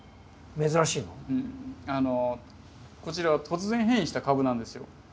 こちらは突然変異をした株なんですよ。